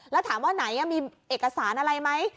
แล้วถามว่าไหนมีเอกสารอะไรไหม